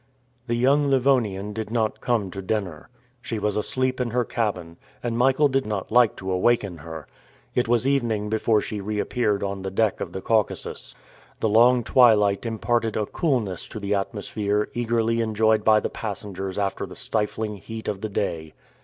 The young Livonian did not come to dinner. She was asleep in her cabin, and Michael did not like to awaken her. It was evening before she reappeared on the deck of the Caucasus. The long twilight imparted a coolness to the atmosphere eagerly enjoyed by the passengers after the stifling heat of the day.